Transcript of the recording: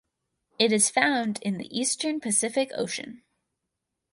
It is found in the eastern Pacific Ocean.